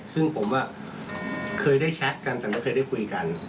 ซึ่งผมเคยได้แชทกันแต่ไม่เคยได้คุยกัน